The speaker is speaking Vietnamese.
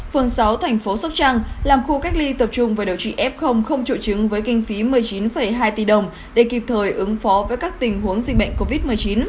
phường sáu tp sóc trăng làm khu cách ly tập trung với đầu trị f không trụ trứng với kinh phí một mươi chín hai tỷ đồng để kịp thời ứng phó với các tình huống dịch bệnh covid một mươi chín